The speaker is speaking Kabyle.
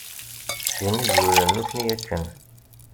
Segmi d-lulen nutni akken.